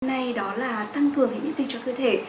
hôm nay đó là tăng cường hệ miễn dịch cho cơ thể